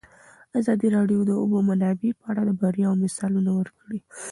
ازادي راډیو د د اوبو منابع په اړه د بریاوو مثالونه ورکړي.